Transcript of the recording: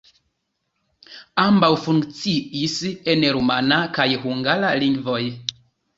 Ambaŭ funkciis en rumana kaj hungara lingvoj.